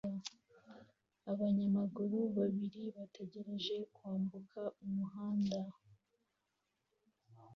Abanyamaguru babiri bategereje kwambuka umuhanda